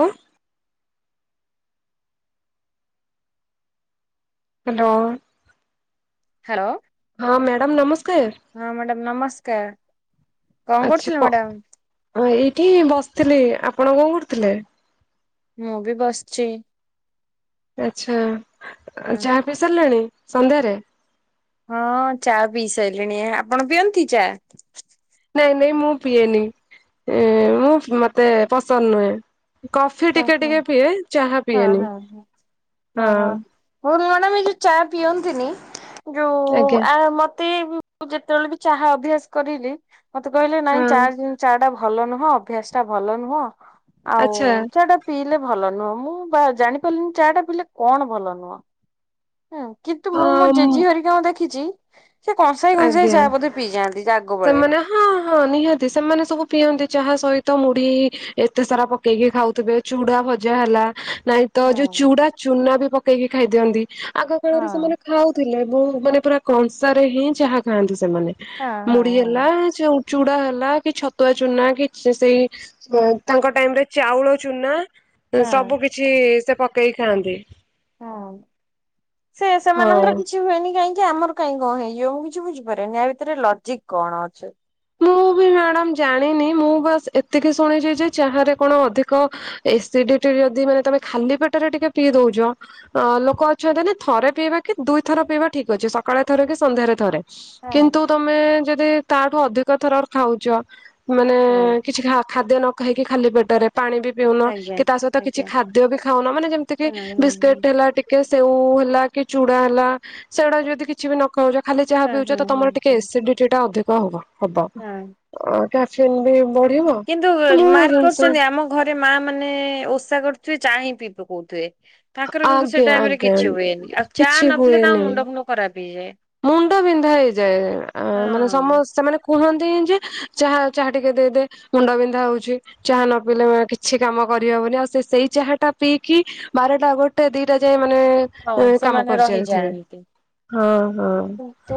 ଅଉ। Hello. Hello. ହଁ madam ନମସ୍କାର। ହଁ ମ୍ୟାଡ଼ାମ୍ ନମସ୍କାର। କଣ ଆଛା କରୁଥିଲେ ପ ମ୍ୟାଡାମ ହଁ ଏଇଠି ବସଥିଲି। ଆପଣ କଣ କରୁଥିଲେ? ମୁଁ ବି ବସଚି। ଆଛା ଚାହା ପିଇ ସାରଲେଣି ସନ୍ଧ୍ୟାରେ? ହଁ ଚା ପିଇ ସାଇଲିଣି। ଆପଣ ପିଅନ୍ତି ଚା? ନାଇଁ ନାଇଁ ମୁଁ ପିଏନି ମୁଁଫ୍ ମତେ ପସନ୍ଦ ନୁହେଁ। କଫି ହଁ ଟିକେ ହଁ ଟିକେ ପିଏ ଚାହା ହଁ ପିଏନି ହଁ। ହୋର ମ୍ୟାଡ଼ାମ୍ ଇଏ ଚା ପିଅନ୍ତିନି। ଯୋଉ ଆଜ୍ଞା ଆ ମତେ ମୁଁ ଯେତୋଳେ ବି ଚାହା ଅଭ୍ୟାସ କରିଲି ମତେ କହିଲେ ନାଇଁ ହଁ ଚା ଚା ଟା ଭଲ ନୁହଁ। ଅଭ୍ୟାସ ଟା ଭଲ ନୁହଁ। ଆଉ ଆଚ୍ଛା ଚା ଟା ପିଇଲେ ଭଲ ନୁହଁ। ମୁଁ ବା ଜାଣିପାରିଲିନି ଚା ଟା ପିଇଲେ କଣ ଭଲ ନୁହଁ। ହୁଁ କିନ୍ତୁ ଅ ମୁଁ ମୋ ଜେଜି ହେରିିକାଙ୍କୁ ଦେଖିଚି ସେ କଂସାଏ କଂସାଏ ଚା ବୋଧେ ପିଇଯାଆନ୍ତି ଆଗ ବେଳେ। ହୁଁ ହଁ ନିହାତି ସେମାନେ ସବୁ ପିଅନ୍ତି ଚାହା ସହିତ ମୁଢି ଏତେ ସାରା ପକେଇକି ଖାଉଥିବେ। ଚୁଡା ଭଜା ହେଲା ନାଇଁ ତ ଯୋଉ ହଁ ଚୁଡା ଚୁନା ବି ପକେଇକି ଖାଇ ଦିଅନ୍ତି। ଆଗ କାଳରେ ହଁ ସେମାନେ ଖାଉ ଥିଲେ ବୁଁ ମାନେ ପୁରା କଂସାରେ ହିଁ ଯାହା ଖାଆନ୍ତି ସେମାନେ। ହଁ ହଁ ମୁଢି ହେଲା ଯେଉଁ ଚୁଡା ହେଲା କି ଛତୁଆ ଚୁନା କି ସେଇ କ୍ୱେ ତାଙ୍କ ଟାଇମରେ ଚାଉଳ ଚୁନା ହଁ ସବୁ କିଛି ସେ ପକେଇକି ଖାଆନ୍ତି। ହଁ ସେ ହଁ। ସେମାନଙ୍କର କିଛି କି ହୁଏନି କାହିଁକି ଆମର କାଇଁ କଁ ହେଇଯିବ ମୁଁ କିଛି ବୁଝିପାରେନି ୟା ଭିତରେ ଲଜିକ କଣ ଅଛି। ମୁଁ ବି ମ୍ୟାଡ଼ାମ ଜାଣିନି। ମୁଁ ବାସ୍ ଏତିକି ଶୁଣିଚି ଯେ ଚାହାରେ କଣ ଅଧିକ ଏସିଡିଟି ରେ ଯଦି ମାନେ ତମେ ଖାଲି ପେଟରେ ଟିକେ ପିଇ ଦୋଉଚ। ଅ ଲୋକ ଅଛନ୍ତି ନା ଥରେ ପିଇବା କି ଦୁଇଥର ପିଇବା ଠିକ୍ ଅଛି। ସକାଳେ ଥରେ କି ସନ୍ଧ୍ୟାରେ ଥରେ। ହଁ କିନ୍ତୁ ତମେ ଯଦି ତାଠୁ ଅଧିକ ଥର ଖାଉଚ। ମାନେ ହଁ କିଛି ଖା ଖାଦ୍ୟ ନ ଖାଇକି ଖାଲି ପେଟରେ। ପାଣି ବି ପିଉନ ଆଜ୍ଞା କି ତା ସଇତ କିଛି ଆଜ୍ଞା ଖାଦ୍ୟ ବି ଖାଉନ। ମାନେ ଯେମତି କି ହଁ ହଁ ହଁ ବିସ୍କିଟ୍ ହେଲା ଟି କି ସେଉ ହେଲା କି ଚୁଡା ହେଲା ସେଗୁଡା ଯଦି କିଛି ବି ନ କୋଉଜ ଖାଲି ଚାହା ପିଉଚ ହଁ ତ ହଁ। ତମର ହଁ ଟିକେ ଏସିଡିଟି ଟା ଅଧିକ ହବ ହବ ହଁ। ଅଁ। କାସି ମୁଁ ବି ବୋହୁତ କିନ୍ତୁ ମାର୍କ କରୁଚନ୍ତି ଆମ ଘରେ ମା ମାନେ ଓଷା କରୁଥିବେ ଚା ହିଁ ପିଇ ପକୋଉଥିବେ। ତାଙ୍କର କିନ୍ତୁ ସେ ଆଜ୍ଞା ଟାଇମ ରେ ଆଜ୍ଞା କିଛି ହୁଏନି ଆଉ ଚା କିଛି ନ ପିଲଲେ ତାଙ୍କ ହୁଏନି। ମୁଣ୍ଡ ଫୁଣ୍ଡ ଖରାପ ହେଇଯାଏ। ମୁଣ୍ଡ ବିନ୍ଧା ହେଇଯାଏ। ଆଁ ମାନେ ହଁ ସମସ୍ତେ ମାନେ କୁହନ୍ତି ଯେ ଚାହା ଚାହା ଟିକେ ଦେଇଦେ ମୁଣ୍ଡ ବିନ୍ଧା ହୋଉଚି। ଚାହା ନ ପିଇଲେ କିଛି କାମ କରି ହବନି। ଆଉ ସେ ସେଇ ଚାହାଟା ପିଇକି ବାରଟା ଗୋଟେ ଦିଟା ଯାଏ ମାନେ ହଁ ଏଁ କାମ ସେମାନେ କରିଚଲଥିବେ। ରହିଯାଆନ୍ତି। ହଁ କିନ୍ତୁ ହଁ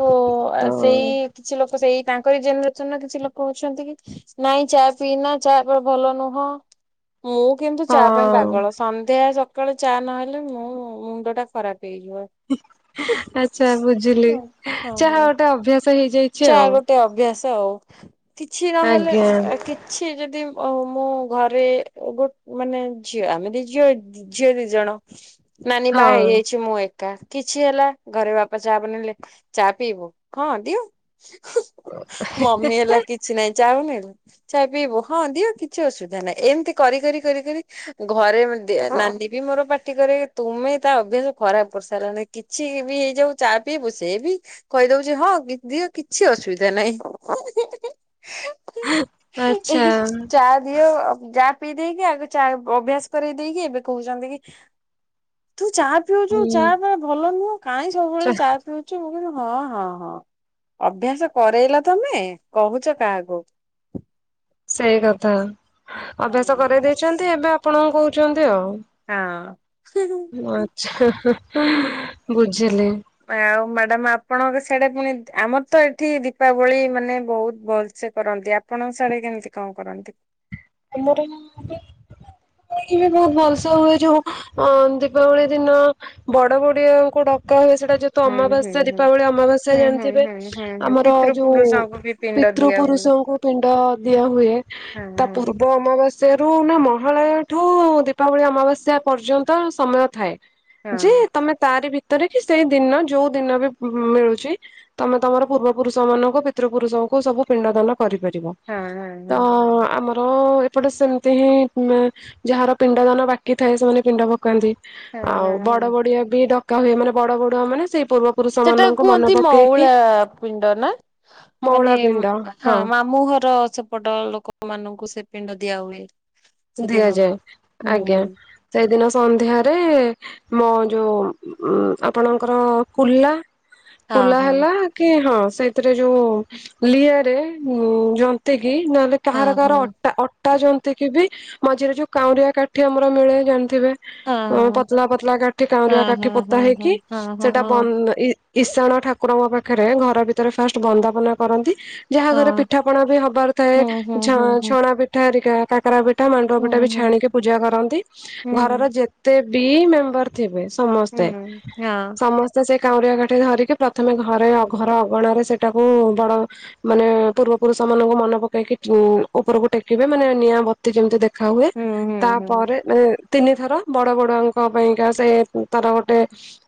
ତ ସେଇ କିଛି ଲୋକ ସେଇ ତାଙ୍କରି ଜେନେରେସନ ର କିଛି ଲୋକ ଅଛନ୍ତି କି ନାଇଁ ଚା ପିଇନା ଚାପା ଭଲ ନୁହଁ। ମୁଁ କିନ୍ତୁ ଚା ପାଇଁ ହଁ ପାଗଳ ସନ୍ଧ୍ୟା ସକାଳେ ଚା ନହେଲେ ମୁଁ ମୁଣ୍ଡ ଖରାପ ହେଇଯିବ। ଆଛା ବୁଝିଲି ଯାହା ହଁ ଗୋଟେ ଅଭ୍ୟାସ ହେଇଯାଇ ଚା ଗୋଟେ ଅଭ୍ୟାସ ଆଉ କିଛି ନହେଲେ ଆଜ୍ଞା ଆ କି ଛି ଯଦି ମୁଁ ଘରେ ଗୋ ମାନେ ଝିଅ ଆମେ ଦ ଝିଅ ଝିଅ ଦି ଜଣ ନାନୀ ହଁ ବା ହେଇଯାଇଛି ମୁଁ ଏ କାର କିଛି ହେଲା ଘରେ ବାପା ଚା ବନେଇଲେ ଚା ପିଇବୁ ହଁ ଦିଅ ମମି ହେଲା କିଛି ନାଇଁ ଚାହୁଁନ ଚା ପିଇବୁ ହଁ ଦିଅ କିଛି ଅସୁବିଧା ନାହିଁ ଏମିତି କରି କରି କରି କରି ଘରେ ନାନୀ ବି ମୋର ପାର୍ଟି କରେ ତୁମେ ତା ଅଭ୍ୟାସ ଖରାପ କରିସାରିଲାଣି କିଛି ବି ହେଇଯାଉ ଚା ପିଇବୁ ସେ ବି କହିଦଉଛି ହଁ କି ଦିଅ କିଛି ଅସୁବିଧା ନାହିଁ ଇ ଆଚ୍ଛା ହି ଚା ଦିଅ ଯା ପିଇ ଦେଇେଇକି ଆଗ ଚା ଅଭ୍ୟାସ କର ଦେଇକି ଏବେ କହୁଛନ୍ତି କି ତୁ ଚା ପିଉଛୁ ଚା ହୁଁ ଭଲ ନୁହଁ କାହିଁ ସବୁବେଳେ ଚାହା ପିଉଛୁ ମୁଁ କୁ ହଁ ହଁ ହଁ ଅଭ୍ୟାସ କରରେଇଲ ତମେ କହୁଛ କାହାକୁ ସେଇ କଥା ଅଭ୍ୟାସ କରାଇ ଦେଇଛନ୍ତି ଏବେ ଆପଣଙ୍କୁ କହୁଛନ୍ତି ଆଉ ହଁ ଆଛା ବୁଝିଲି ଆଉ ମ୍ୟାଡାମ ଆପଣଙ୍କ ସେଆଡେ ପୁଣି ଆମର ତ ଏଠି ଦୀପାବଳି ମାନେ ବହୁତ ଭଲ ସେ କରନ୍ତି ଆପଣଙ୍କ ସାଡେ କେମିତି କଣ କରନ୍ତି? ତୁମର [unintelligible] ଏଠିବି ବି ବହୁତ ଭଲସେ ହୁଏ ଯୋଉ ଅ ଦୀପାବଳି ଦିନ ବଡ ବଡିଆ ଆଉ କୋଉ ଡକା ହୁଏ ସେଇଟା ଯେ ତ ହୁଁ ହୁଁ ଅମାବାସ୍ୟା ହୁଁ। ଦୀପାବଳି ଅମାବାସ୍ୟା ହୁଁ ହୁଁ ଜାଣିଥିବେ ହୁଁ ହୁଁ ହୁଁ ଆମର ପିତୃ ଯୋଉ ପୁରୁଷଙ୍କୁ ବି ପିଣ୍ଡ ପିତୃ ଦିଆ ହୁଏ। ପୁରୁଷଙ୍କୁ ପିଣ୍ଡ ଦିଆ ହୁଏ ହଁ ତା ପୂର୍ବ ପୂର୍ବ ଅମାବାସ୍ୟାରୁ ନା ମହଳାୟ ଠୁ ଦୀପାବଳି ଅମାବାସ୍ୟା ପର୍ଯ୍ୟନ୍ତ ସମୟ ଥାଏ ହଁ ଯେ ହଁ ତମେ ତାରି ଭିତରେ କି ସେଇ ଦିନ ଯୋଉ ଦିନ ବି ମିଳୁଛି ତମେ ତମର ପୂର୍ବ ପୁରୁଷ ମାନଙ୍କୁ ପିତୃ ପୁରୁଷଙ୍କୁ ସବୁ ପିଣ୍ଡ ଦାନ କରିପାରିବ ହଁ ହଁ ତ ହଁ ଆମ ଆ ଏପଟେ ସେମିତି ହିଁ ଯାହାର ପିଣ୍ଡ ଦାନ ବାକି ଥାଏ ସେମାନେ ପିଣ୍ଡ ପକାନ୍ତି ହଁ ଆଉ ହଁ ବଡ ହଁ। ବଡିଆ ବି ଡକା ହୁଏ ମାନେ ବଡ ବଡୁଆ ମାନେ ସେଇ ପୂର୍ବ ପୁରୁଷ ସେଟା ମାନଙ୍କୁ ମନେ କୁହନ୍ତି ପକେଇକି ମଉଳା ପିଣ୍ଡ ନା ମଉଳା ମାନେ ପିଣ୍ଡ ହଁ ମାମୁହର ସେପଟ ଲୋକ ମାନଙ୍କୁ ସେ ପିଣ୍ଡ ଦିଆ ହୁଏ ସେଦିନ ଦିଆଯାଏ ହୁଁ ଆଜ୍ଞା ସେଇଦିନ ସନ୍ଧ୍ୟାରେ ମୋ ଯୋଉ ଆପଣଙ୍କର କୁଲା ହଁ କୁଲା ହଁ ହେଲା କି ହଁ ସେଇଥିରେ ଯୋଉ ଲିଆରେ ଯନ୍ତି କିି ନହେଲେ ହଁ କାହାର କାହାର ହଁ। ଅଟା ଅଟା ଯନ୍ତି କି ବି ମଝିରେ ଯୋଉ କାଉରିଆ କାଠି ଆମର ମିଳେ ଜାଣିଥିବେ ହଁ ହଁ ପତଲା ପତଲା କାଠି ହଁ କାଉଁରିଆ କାଠି ହଁ ପୋତା ହଁ ହେଇକି ହଁ ହଁ ସେଟା ହଁ। ବଇ ଇଶାଣ ଠାକୁରଙ୍କ ପାଖରେ ଘର ଭିତରେ ଫାଷ୍ଟ ବନ୍ଦାପନା କରନ୍ତି। ଯାହା ଘରେ ହଁ ପିଠାପଣା ବି ହବାର ଥାଏ ହୁଁ ହୁଁ ଛ ହୁଁ ହୁଁ ଛଣା ପିଠା ହେରିକା କାକରା ପି ଠା ମାଣ୍ଡୁଅ ହୁଁ ପିଠା ବି ହୁଁ ହୁଁ। ଛାଣିକି ପୂଜା କରନ୍ତି ଘରର ଯେତେ ବି ମେମ୍ବର ଥିବେ ହୁଁ ସମସ୍ତେ ହଁ ହୁଁ ସମ ସେ କାଉଁରିଆ କାଠି ଧରିକି ପ୍ରଥମେ ଘରେ ଘର ଅଗଣାରେ ସେଟାକୁ ବଡ ମାନେ ପୂର୍ବ ପୁରୁଷ ମାନଙ୍କୁ ମନେ ପକେଇକି ଉପରକୁ ଟେକିବେ ମାନେ ନିଆଁ ବ [unintelligible] ଯେମିତି ଦେଖା ହୁଏ ହୁଁ ହୁଁ ହଁ ହୁଁ ହୁଁ ହୁଁ। ତାପରେ ମାନେ ତିନି ଥର ବଡ ବଡୁଆଙ୍କ ପାଇଁକା ସେ ତାର ଗୋଟେ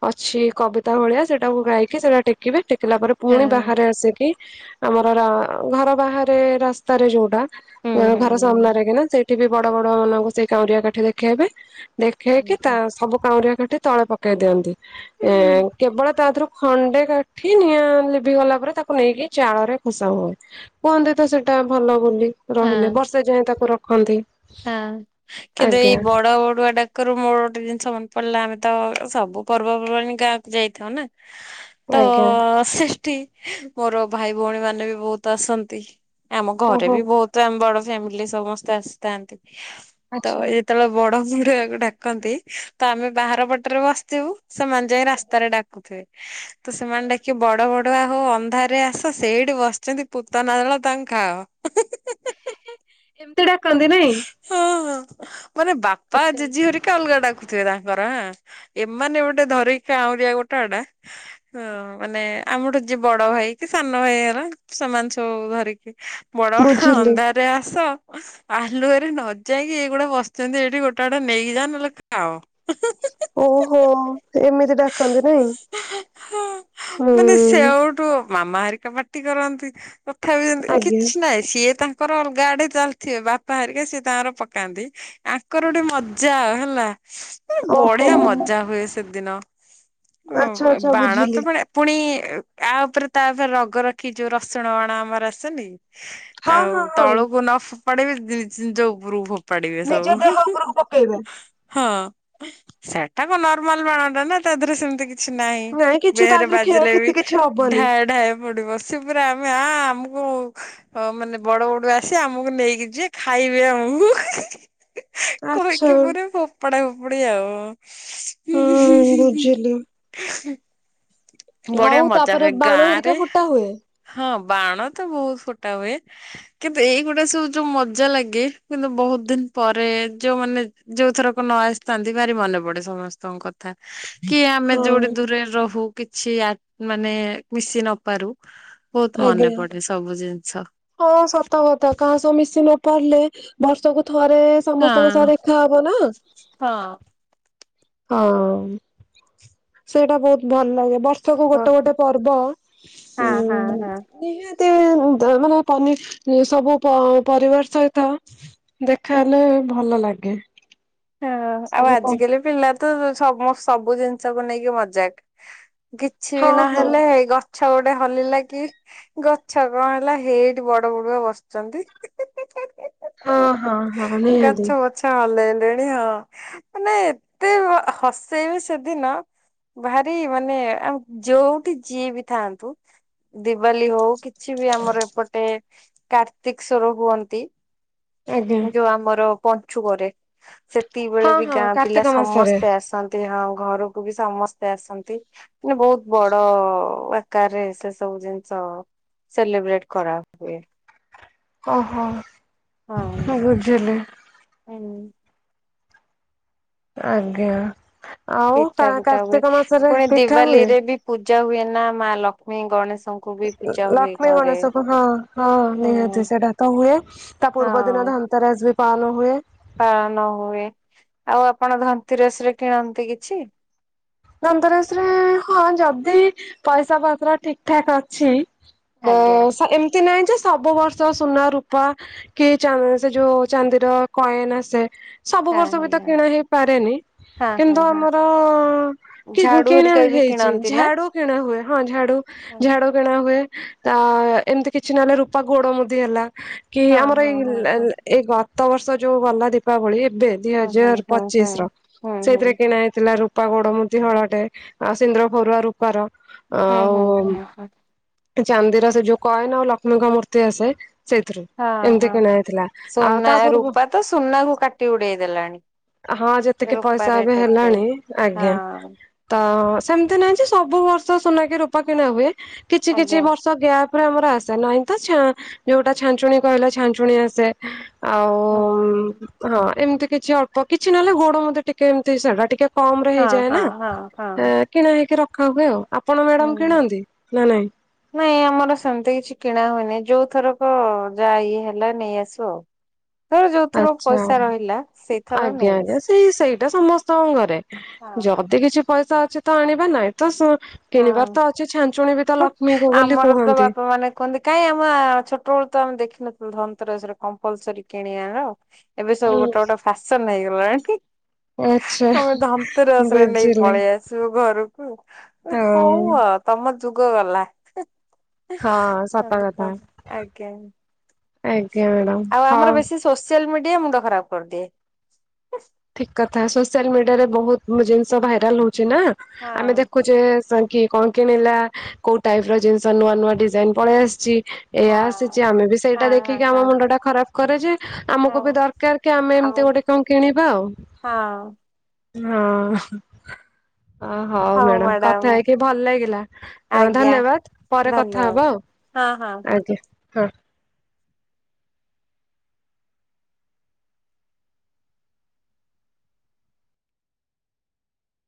ଅଛି କବିତା ଭଳିଆ ସେଟାକୁ ଗାଇକି ସେଇଟା ଟେକିବେ ଟେ କିଲା ପରେ ପୁଣି ବାହାରେ ଆସିକି ଆମର ଘର ବାହାରେ ରାସ୍ତାରେ ଯୋଉଟା ହୁଁ ଘର ସାମ୍ନାରେ କିନା ସେଇଠି ବି ବଡୁଆ ବଡୁଆ ମାନଙ୍କୁ ସେଇ କାଉଁରିଆ କାଠି ଦେଖେଇବେ ଦେଖେଇକି ତା ସବୁ କାଉଁରିଆ କାଠି ତଳେ ପକେଇ ଦିଅନ୍ତି ହୁଁ ଏ ହଁ କେବଳ ତା ଥିରୁ ଖଣ୍ଡେ କାଠି ନିଆଁ ଲିଭିି ଗଲା ପରେ ତାକୁ ନେଇକି ଚାଳରେ ଖୋସା ହୁଏ। କୁହନ୍ତି ତ ସେଇଟା ଭଲ ବୋଲି ରହିଲେ ବର୍ଷେ ଯାଏଁ ତାକୁ ରଖନ୍ତି। ହଁ କେବେ ଆଜ୍ଞା ଏଇ ବଡ ବଡୁଆ ଡା କରୁ ମୋର ଗୋଟେ ଜିନିଷ ମନେ ପଡିଲା ଆମେ ତ ସବୁ ପର୍ବପର୍ବାଣୀ ଗାଁକୁ ଯାଇଥାଉ ନା ତ ଆଜ୍ଞା। [unintelligible] ମୋର ଭାଇ ଭଉଣୀ ମାନେ ବି ବହୁତ ଆସନ୍ତି ଆମ ଘରେ ଓହୋ ବି ବହୁତ ତ ଆମ ବଡ ଫ୍ୟାମିଲି ସମସ୍ତେ ଆସିଥାନ୍ତି ତ ଆଚ୍ଛା। ଯେତେବେଳେ ବଡ ବଡୁଆ କୁ ଡାକନ୍ତି ତ ଆମେ ବାହାର ପଟରୁ ବସିଥିବୁ ସେମାନେ ଯାଇ ରାସ୍ତାରେ ଡାକୁଥିବେ। [inaudible] ତ ସେମାନେ ଡାକି ବଡ ବଡୁଆ ହୋ ଅନ୍ଧାରରେ ଆସ ସେଇଠି ବସିଛନ୍ତି ପୂତନା ଦଳ ତାଙ୍କୁ ଖାଅ। [inaudible] [inaudible] ଏମିତି ଡାକନ୍ତି ନାଇଁ ହଁ ହଁ ମାନେ ବାପା ଜେଜି ହେରିକା ଅଲଗା ଡାକ ଥିବେ ତାଙ୍କର ହଁ ଏମାନେ ଗୋଟେ ଧରିକି କାଁଉରିଆ ଗୋଟା ଗୋଟା ହ ମାନେ ଆମଠୁ ଯିଏ ବଡ ଭାଇ କି ସାନ ଭାଇ ହେବେ ସେମାନେ ସବୁ ଧରିକି ବଡ ବଡୁଆ ବୁଝିଲି। ଅନ୍ଧାରରେ ଆସ ଆଲୁଆରେ ନ ଯାଇକି ଏଇଗୁଡା ବସିଛନ୍ତି ଏଇଠି ଗୋଟା ଗୋଟା ନେଇକି ଯା ନହେଲେ ଖାଅ। ଓହୋ ଏମିତି ଡାକନ୍ତି ନାଇଁ [inaudible] ହୁଁ ମାନେ ସେଉଟୁ ମାମା ହେରିକା ପାଟି କରନ୍ତି ତଥାପି ସେମିତି ଆଜ୍ଞା। କିଛି ନାଇଁ ସିଏ ତାଙ୍କର ଅଲଗା ଆଡେ ଚାଲିଥିବେ ବାପ ବାପା ହେରିକା ସିଏ ତାଙ୍କର ପକାନ୍ତି ଆଙ୍କର ଗୋଟେ ମଜା ହେଲା। ଓହୋ ବଢିଆ ମଜା ହୁଏ ସେଦିନ ଆଚ୍ଛା ଆଚ୍ଛା ବାଣ ବୁଝିଲି ତ [unintelligible] ପୁଣି ଆ ଉପରେ ତା ଉପରେ ରଗ ରଖି ଯୋଉ ରସୁଣ ବାଣ ଆମର ଆସେନି ହଁ ଆଉ ହଁ ହଁ ତଳକୁ ନ ଫୋପାଡ଼ିକି ନିଜ ଉପରକୁ ଫୋପ ଫୋପାଡିବେ ନିଜ ସବୁ ହୁଁ ଦେହ ହୁଁ ଉପରକୁ ପକେଇବା। ହଁ। ସେଟାକ ନର୍ମାଲ ବାଣ ଟା ନା ତାଦେହରେ ସେମିତି କିଛି କିଛି ନାହିଁ ନାଇଁ କିଛି ତା ଦେହରେ କ୍ଷୟ ବାଜିଲେ ବି କ୍ଷତି କିଛି ହବନି ଢାଏ ଢାଏ ଫୁଟିବ। ସେ ପୁରା ଆମେ ଆ ଆମକୁ ମାନେ ବଡ ବଡୁଆ ଆସିବେ ଆମକୁ ନେଇକି ଯିବେ। ଖାଇବେ ଆମକୁ [inaudible] ଆଚ୍ଛା କହିକି ପୁରା ଫୋପଡ଼ା ଫୋପଡ଼ି ଆଉ ହୁଁ ବୁଝିଲି। ବଢିଆ ଆଉ ମଜା ତାପରେ ହୁଏ ବାଣ ଗାଁଆ ହେରିକା ରେ ଫୁଟା ହୁଏ ହଁ ବାଣ ତ ବହୁତ ଫୁଟା ହୁଏ କିନ୍ତୁ ଏଇଗୁଡ଼ା ସବୁ ଯୋଉ ମ ଜା ଲାଗେ କିନ୍ତୁ ବହୁତ ଦିନ ପରେ ଯୋଉମାନେ ଯୋଉ ଥରକ ନ ଆସିଥାନ୍ତି ଭାରି ମନେ ପଡେ ସମସ୍ତଙ୍କ କ ଥା କି ଆମେ ଯୋଉଠି ହଁ ଦୂରରେ ରହୁ କିଛି ଆ ମାନେ ମିଶି ନ ପାରୁ ବହୁତ ମନେ ଆଜ୍ଞା ପଡେ ସବୁ ଜିନିଷ। ହଁ ସତ କଥା କାହା ସହ ମିଶି ନ ପାରିଲେ ବର୍ଷକୁ ଥରେ ସମସ୍ତଙ୍କ ସହ ହାଁ ଦେଖାହବ ନା ହଁ। ହଁ ସେଇଟା ବହୁତ୍ ଭଲ୍ ଲାଗେ ବର୍ଷକୁ ହଁ ଗୋଟେ ଗୋଟେ ପର୍ବ ହଁ ହଁ ହୁଁ। ହଁ। ନିହାତି ମାନେ ତମେ ସବୁ ପ ପରିବାର ସହିତ ଦେଖାହେଲେ ଭଲ ଲାଗେ। ହଁ ଆଉ ସବୁ ପ ଆଜିକାଲି ପିଲା ତ ସମ ସବୁ ଜିନିଷ୍ କୁ ନେଇକି ମଜାକ୍। କିଛି ବି ହଁ ହଁ ନହେଲେ ହେଇ ଗଛ ଗୋଟେ ହଲିଲା କି ଗଛ କଁ ହେଲା ହେଇଠି ବଡ ବଡୁଆ ବସ୍ ଚନ୍ତି। ହଁ ହଁ ହଁ ନିହାତି। ଛ ହଲେଇଲେଣି ଆଉ ମାନେ ଏତେ ହ ହସେଇବେ ସେଦିନ। ଭାରି ମାନେ ଆ ଯୋଉଠି ଯିଏ ବି ଥାନ୍ତୁ ଦିିବାଲି ହଉ କି ଛି ବି ଆମର ଏପଟେ କାର୍ତ୍ତିକଶ୍ୱର ହୁଅନ୍ତି। ଆଜ୍ଞା ଯୋଉ ଆମର ପଞ୍ଚୁକରେ ତିକିବେଳେ ହଁ ବି ହଁ ଗାଁ ପିଲା କାର୍ତ୍ତିକ ମାସରେ ସମସ୍ତେ ଆସ ନ୍ତି ହଁ ଘରକୁ ବି ସମସ୍ତେ ଆସନ୍ତି ମାନେ ବହୁତ ବଡ ଆକାରରେ ସେ ସବୁ ଜିନିଷ ସେଲିବ୍ରେଟ୍ କରା ହୁଏ। ଓହୋ। ବୁଝିଲି। ହଁ। ଆଜ୍ଞା। ପିଠା ପିଠା ହୁଏ। ପୁଣି ଦିିବାଲି ରେ ବି ପୂଜା ହୁଏ ନା ମା ଲକ୍ଷ୍ମୀ ଗଣେଶ ଲକ୍ଷ୍ମୀ ଗଣେଶକୁ ହଁ ହଁ ହୁଁ ନିହାତି ସେଇଟା ତ ହୁଏ ତା ପୂର୍ବ ଦିନ ହଁ ଧ ନନ୍ତେରସ୍ ବି ପାଲ୍ ହୁଏ। ପାଳନ ହୁଏ ଆଉ ଆପଣ ଧନ୍ତେରସ୍ ରେ କିଣନ୍ତି କିଛି? ଧନ୍ତରେସ୍ ରେ ହଁ ଯଦି ପଇସା ପତ୍ର ଠିକ୍ ଠାକ୍ ଅଛି ମୁଁ ଆଜ୍ଞା ସ ଏମ୍ ତି ନାହିଁ ଯେ ସବୁ ବର୍ଷ ସୁନା ରୂପା କି ଚାନ୍ଦ ସେ ଯୋଉ ଚାନ୍ଦିର କଏନ୍ ଆସେ ସବୁ ବର୍ଷ ହଁ ବି ତ କିଣା ହେଇପାରେନି ହଁ ହଁ କିନ୍ତୁ ହଁ ଆମର [inaudible] ଝାଡୁ କିଣା ହରିକା ବି ହେଇଚି କିଣନ୍ତି ନା? ଝାଡୁ କିଣା ହୁଏ ହଁ ଝାଡୁ ହଁ ଝାଡୁ କିଣା ହୁଏ ତା ଏମ୍ ତି କିଛି ନହେଲେ ରୂପା ଗୋଡ ମୁଦି ହେଲା କି ହଁ ଆମର ହଁ ଏଇ ହଁ। ଏଇ ଗତ ବର୍ଷ ଯୋଉ ଗଲା ଦୀପାବଳି ଏବେ ଦି ହୁଁ ହୁଁ ହଜାର ହୁଁ ହୁଁ ପଚିଶ ର ହୁଁ ହୁଁ ସେଇଥିରେ କିଣା ହେଇଥିଲା ରୂପା ଗୋଡ ମୁ ଦି ହଳଟେ ଆଉ ସିନ୍ଦୁର ଫରୁଆ ରୂପାର ଆଉ ହୁଁ ହଁ ଚାନ୍ଦିର ସେ ଯୋଉ କଏନ୍ ଆଉ ଲକ୍ଷ୍ମୀଙ୍କ ମୂର୍ତ୍ତି ଆସେ ସେଇଥିରୁ। ହଁ ଏମିତି ହଁ କିଣା ହେଇଥିଲା। ଆଉ ତା ସୁନା ପୂର୍ବ ରୂପା ତ ସୁନା କୁ କାଟି ଉଡେଇ ଦେଲାଣି। ହଁ ଯେତିକି ରୂପା ପଇସା ରେଟ୍ ଏବେ ଏତେ ହେଲାଣି ହଁ। ତ ସେମ୍ ତି ନାହିଁ ଯେ ସବୁ ବର୍ଷ ସୁନାକି ରୂପା କିଣା ହୁଏ କିଛି କିଛି ଆଜ୍ଞା ବ ର୍ଷ ଗ୍ୟାପ୍ ରେ ଆମର ଆସେ ନାହିଁ ତ ଛା ଯୋଉଟା ଛାଞ୍ଚୁଣୀ କହିଲ ଛାଞ୍ଚୁଣୀ ଆସେ ହୁଁ ହୁଁ। ଆଉ ହଁ ଏମ୍ ତି କିଛି ଅଳ୍ପ କିଛି ନହେଲେ ଗୋଡ ମୁଦି ଟିକେ ଏମ୍ ତି ସେଡା ଟିକେ କମ୍ ରେ ହଁ ହେଇଯାଏ ହଁ ନା। ହଁ ହଁ। କିଣା ହେଇକି ରଖା ହୁଏ ଆଉ ଆପଣ ମ୍ୟାଡାାମ୍ ହୁଁ କିଣନ୍ତି ନା ନାଇଁ? ନାଇଁ ଆମର ସେମ୍ ତି କିଛି କିଣା ହୁଏନି ଯୋଉ ଥରକ ଯା ଇଏ ହେଲା ନେଇଆସୁ ଆଉ। ଧର ଯୋଉ [inaudible] ଥର ଆଛା ପଇସା ରହିଲା ସେଇଥର ନେଇ ଆଜ୍ଞା ଆଜ୍ଞା ଆସୁ। ସେଇ ସେଇଟା ସମସ୍ତଙ୍କ ଘରେ ଯ ହଁ ଯଦି କିଛି ପଇସା ଅଛି ତ ଆଣିବା ନାହିଁ ତ ସ ହଁ କିଣିବାର ତ ଅଛି ଛାଞ୍ଚୁଣି ବି ତ ଲକ୍ଷ୍ମୀଙ୍କୁ ବୋଲି ଆମର ତ କୁହନ୍ତି। ବାପା ମାନେ କୁହନ୍ତି କାଇଁ ଆମେ ଛୋଟ ବେଳୁ ତ ଆମେ ଦେଖିନଥିଲୁ ଧନ୍ତେରସରେ କମ୍ପଲସରୀ କିଣିବାର। ଏବେ ସବୁ ଗୋଟେ ଗୋଟେ ଫ୍ୟାସନ ହେଇଗଲାଣିଣି କି? ଆଚ୍ଛା ତମେ ଧନ୍ତୁରସରେ ନେଇ ବୁଝିଲି। ପଳେଇ ଆସ। ଆସିବୁ ଘରକୁ ହଉ ତମ ଯୁଗ ଗଲା। ଅ ହଁ ସତ କଥା [unintelligible] କ ଆଜ୍ଞା ଆଜ୍ଞା ମ୍ୟାଡାମ ଆଉ ହଉ ଆମର ବେଶୀ ସୋସିଆଲ ମିଡିଆ ମୁଁ ଡ ଖରାପ କରିଦିଏ। ଠିକ କଥା ସୋସିଆଲ ମିଡିଆରେ ବହୁତ ଜିନିଷ ଭାଇରାଲ ହଉଚି ନା ଆମେ ହଁ ଦେଖୁଚୁ। ଯେ ସାଙ୍କ କଣ କିଣିଲା କୋଉ ଟାଇପ ର ଜିନିଷ ନୂଆ ନୂଆ ଡିଜାଇନ ପଳେଇ ଆସିଛି। ଏଇଆ ହଁ ଆସିଛି ଆମେ ବି ହଁ ସେଇଟା ଦେଖିକି ଆମ ହଁ ମୁଣ୍ଡ ଟା ଖରାପ କରେ ଯେ ହଁ ଆମକୁ ବି ହଁ ଦରକାର କି ଆମେ ଆମ ଏମିତି ଗୋଟେ କଣ କିଣିବୁ। ବା ଆଉ ହଁ ହଁ ଓ ହଉ ମ୍ୟାଡାମ କଥା ହେଇକି ଭଲ ଲାଗିଲା। ହଁ ଆଜ୍ଞା ଧନ୍ୟବାଦ ପରେ କଥା ଧନ୍ୟବାଦ ହବ ଆଉ। ହଁ ହଁ ହଁ ଆଜ୍ଞା ହଁ।